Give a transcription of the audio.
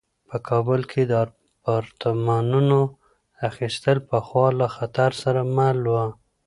په کابل کې د اپارتمانونو اخیستل پخوا له خطر سره مل وو.